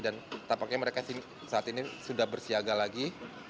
dan tapaknya mereka saat ini sudah bersiaga lagi